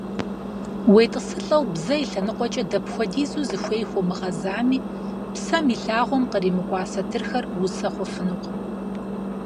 УетӀысылӀэу, бзэ и лъэныкъуэкӀэ дапхуэдизу зыхуей хуомыгъэзами, псэм и лъагъуэм къримыкӀуа сатырхэр усэ хъуфынукъым.